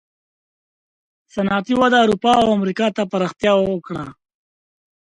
صنعتي وده اروپا او امریکا ته پراختیا وکړه.